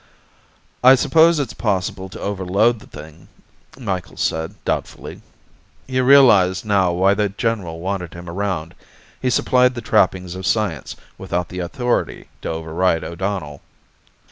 "I suppose it's possible to overload the thing," Micheals said doubtfully. He realized now why the general wanted him around. He supplied the trappings of science, without the authority to override O'Donnell.